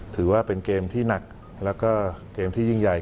ถือว่าเป็นเกมที่หนักแล้วก็เกมที่ยิ่งใหญ่